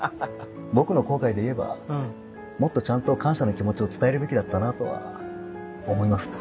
僕の後悔でいえばもっとちゃんと感謝の気持ちを伝えるべきだったなとは思いますね。